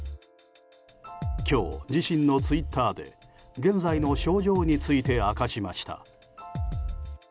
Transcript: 今日、自身のツイッターで現在の症状について明かしました。